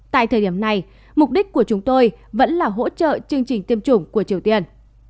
tại thời điểm này mục đích của chúng tôi vẫn là hỗ trợ chương trình tiêm chủng của triều tiên